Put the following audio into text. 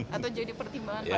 atau jadi pertimbangan pak